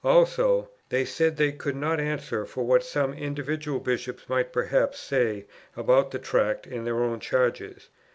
Also, they said they could not answer for what some individual Bishops might perhaps say about the Tract in their own charges.